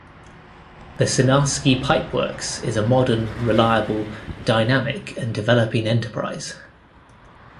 The Sinarsky Pipe Works is a modern, reliable, dynamic and developing enterprise.